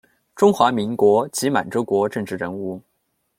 中华民国及满洲国政治人物。